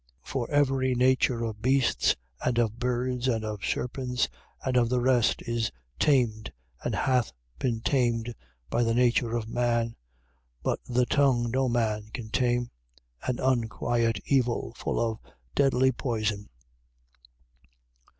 3:7. For every nature of beasts and of birds and of serpents and of the rest is tamed and hath been tamed, by the nature of man. 3:8. But the tongue no man can tame, an unquiet evil, full of deadly poison.